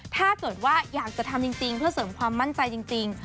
ถ้าเกิดว่าอยากจะทำจริงเพื่อเสริมความมั่นใจจริง